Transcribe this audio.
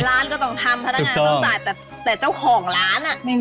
ร้านก็ต้องทำพนักงานต้องจ่ายแต่เจ้าของร้านอ่ะ